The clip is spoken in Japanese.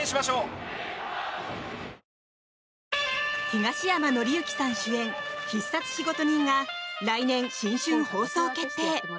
東山紀之さん主演「必殺仕事人」が来年新春放送決定！